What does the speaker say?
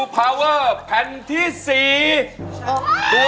เป็นท้า